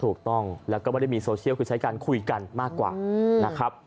ถูกต้องแล้วก็ไม่ได้มีโซเชียลคือใช้การคุยกันมากกว่านะครับ